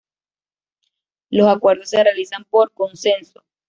Los acuerdos se realizan por consenso.